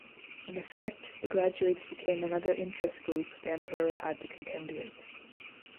In effect the graduates became another interest group the emperor had to contend with.